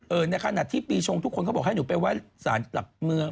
ในขณะที่ปีชงทุกคนเขาบอกให้หนูไปไว้สารหลักเมือง